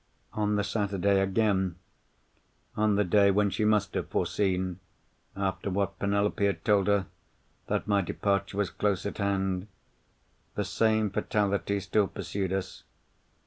On the Saturday again—on the day when she must have foreseen, after what Penelope had told her, that my departure was close at hand—the same fatality still pursued us.